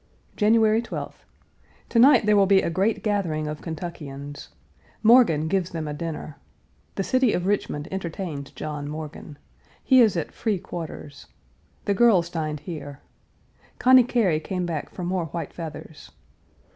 January 12th. To night there will be a great gathering of Kentuckians. Morgan gives them a dinner. The city of Richmond entertains John Morgan. He is at free quarters. The girls dined here. Conny Cary came back for more white feathers.